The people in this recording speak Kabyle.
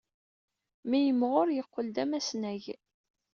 Mi yimɣur, yeqqel d amasnag.